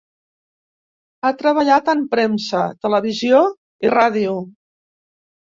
Ha treballat en premsa, televisió i ràdio.